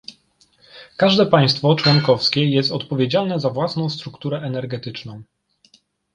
każde państwo członkowskie jest odpowiedzialne za własną strukturę energetyczną